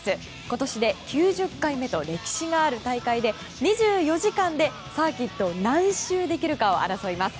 今年で９０回目と歴史がある大会で２４時間でサーキットを何周できるかを争います。